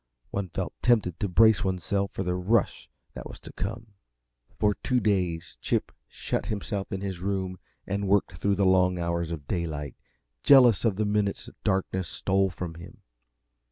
One felt tempted to brace oneself for the rush that was to come. For two days Chip shut himself in his room and worked through the long hours of daylight, jealous of the minutes darkness stole from him.